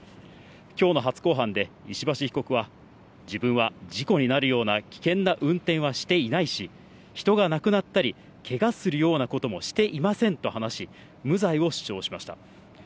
今日の初公判で石橋被告は自分は事故になるような危険な運転はしていないし、人が亡くなったり、けがをするようなこともしていませんと話し、無罪を主張しました。